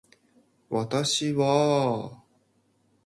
私はあ